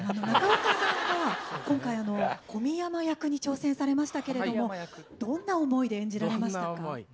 中岡さんは今回こみやま役に挑戦されましたけれどもどんな思いで演じられましたか？